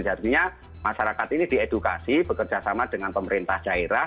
sebenarnya masyarakat ini diedukasi bekerjasama dengan pemerintah jairah